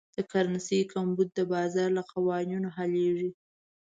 د کرنسۍ کمبود د بازار له قوانینو حلېږي.